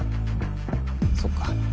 そっか。